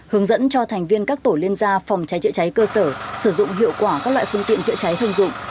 hướng dẫn cho thành viên các tổ liên gia phòng cháy chữa cháy cơ sở sử dụng hiệu quả các loại phương tiện chữa cháy thông dụng